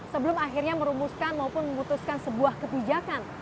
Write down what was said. sebelum akhirnya merumuskan maupun memutuskan sebuah kebijakan